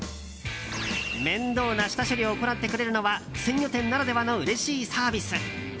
面倒な下処理を行ってくれるのは鮮魚店ならではのうれしいサービス。